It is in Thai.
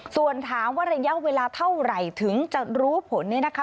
ส่วนถามว่าระยะเวลาเท่าไหร่ถึงจะรู้ผลเนี่ยนะคะ